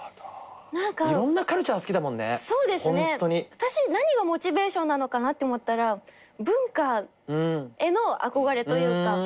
私何がモチベーションなのかなって思ったら文化への憧れというか。